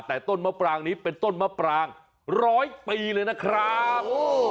แต่ต้นมะปรางนี้เป็นต้นมะปรางร้อยปีเลยนะครับ